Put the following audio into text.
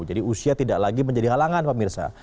usia tidak lagi menjadi halangan pemirsa